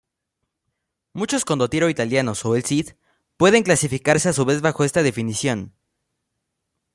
Muchos "condotiero" italianos o El Cid pueden clasificarse a su vez bajo esta definición.